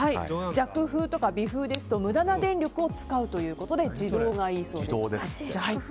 弱風とか微風ですと無駄な電力を使うということで自動がいいそうです。